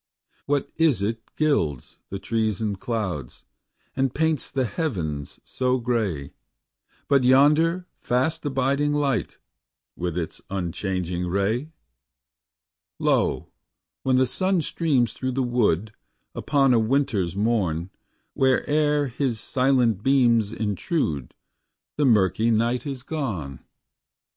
What is it gilds the trees and clouds, And paints the heavens so gay, But yonder fast abiding light With its unchanging ray? Lo, when the sun streams through the wood, Upon a winterâs morn, Whereâer his silent beams intrude, The murky night is gone.